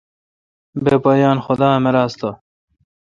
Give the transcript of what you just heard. بہ پا یان خدا امر آس تہ۔